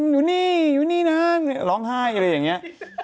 อยู่นี่อยู่นี่นะร้องไห้อะไรอย่างนี้